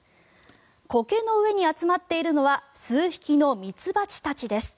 コケの上に集まっているのは数匹の蜜蜂たちです。